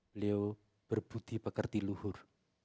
beliau berbutih pekerti luhur